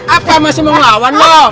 apa masih mau ngelawan mau